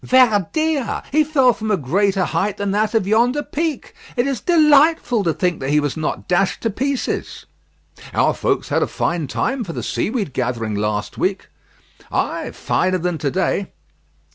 "Ver dia! he fell from a greater height than that of yonder peak. It is delightful to think that he was not dashed to pieces." "Our folks had a fine time for the seaweed gathering last week." "Ay, finer than to day."